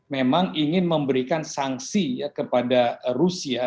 memang ingin memberikan sanksi kepada rusia